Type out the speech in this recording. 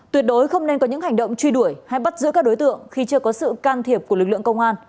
tuyệt đối không nên có những hành động truy đuổi hay bắt giữ các đối tượng khi chưa có sự can thiệp của lực lượng công an